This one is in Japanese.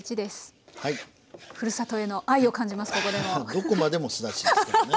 どこまでもすだちですからね。